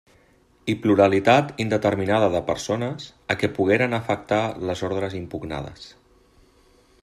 I pluralitat indeterminada de persones a què pogueren afectar les ordres impugnades.